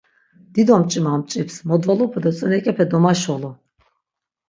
Dido mç̆ima mç̆ips, modvalupe do tzinek̆epe domaşolu.